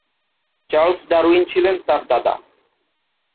Charles Darwin ছিলেন তার দাদা।